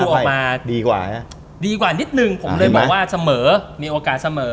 พ่ายรู้สึกออกมาดีกว่านิดหนึ่งผมเลยบอกว่าเสมอมีโอกาสเสมอ